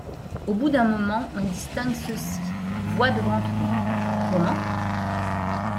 Au bout d’un moment, on distingue ceci : Voix de Ventroux .— Comment ?